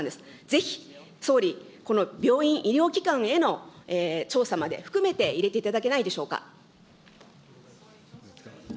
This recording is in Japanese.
ぜひ、総理、この病院、医療機関への調査まで含めて入れていただけないでしょうか。